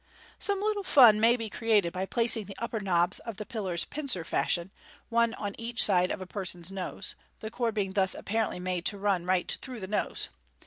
Some little fun may be created by placing the upper knobs of the pillars pincer fashion, one on each side of a person's nose, the cord being thus apparently made to run right through the nose.